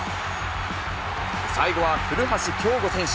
最後は古橋亨梧選手。